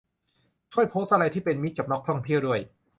ช่วยโพสต์อะไรที่เป็นมิตรกับนักท่องเที่ยวด้วย